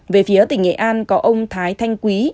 về phía tỉnh nghệ an có ông thái thanh quý